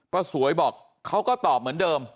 สวยบอกเขาก็ตอบเหมือนเดิม